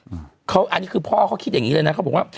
อันนี้คือพ่อเขาคิดอย่างนี้เลยนะเขาบอกว่า